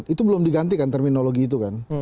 itu belum diganti kan terminologi itu kan